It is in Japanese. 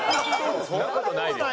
そんな事ないでしょ。